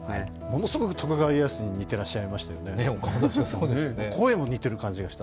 ものすごく徳川家康に似ている感じがしましたよね、声も似ている感じがした。